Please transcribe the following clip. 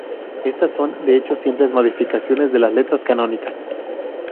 Estas son, de hecho, simples modificaciones de las letras canónicas.